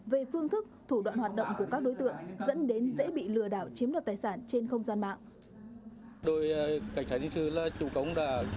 về phương thức thủ đoạn hoạt động của các đối tượng dẫn đến dễ bị lừa đảo chiếm đoạt tài sản trên không gian mạng